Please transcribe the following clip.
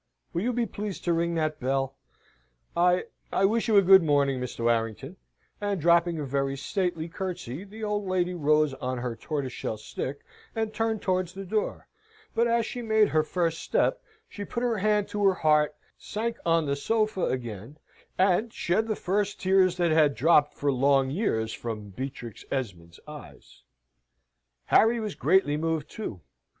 Will you be pleased to ring that bell? I I wish you a good morning, Mr. Warrington," and dropping a very stately curtsey, the old lady rose on her tortoiseshell stick, and turned towards the door. But, as she made her first step, she put her hand to her heart, sank on the sofa again, an shed the first tears that had dropped for long years from Beatrix Esmond's eyes. Harry was greatly moved, too.